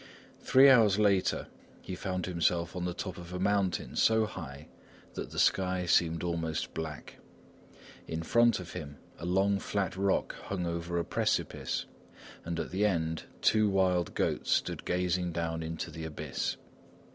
Three hours later he found himself on the top of a mountain so high that the sky seemed almost black. In front of him, a long, flat rock hung over a precipice, and at the end two wild goats stood gazing down into the abyss.